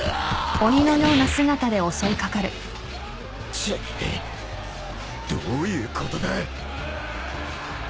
チッどういうことだ。